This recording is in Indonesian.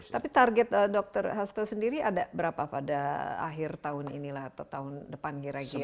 tapi target dr hasto sendiri ada berapa pada akhir tahun ini lah atau tahun depan kira kira